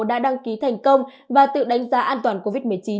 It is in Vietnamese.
đã đăng ký thành công và tự đánh giá an toàn covid một mươi chín